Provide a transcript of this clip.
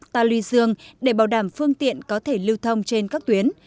tà lư dương để bảo đảm phương tiện có thể lưu thông trên các tuyến